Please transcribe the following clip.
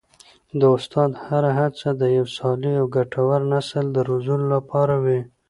د استاد هره هڅه د یو صالح او ګټور نسل د روزلو لپاره وي.